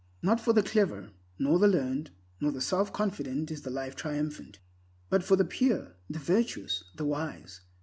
Not for the clever, nor the learned, nor the self confident is the Life Triumphant, but for the pure, the virtuous, the wise.